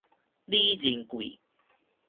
李仁貴